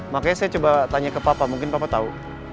makanya saya coba tanya ke papa mungkin papa tahu